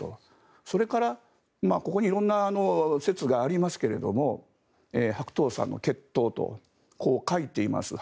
それからここに色んな説がありますが白頭山の血統とこう書いています。